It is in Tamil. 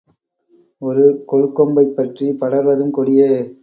ஒரு கொள்கொம்பைப் பற்றிப் படர்வதும் கொடியே.